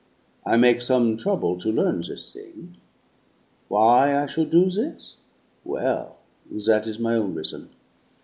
I make some trouble to learn this thing. Why I should do this? Well that is my own rizzon.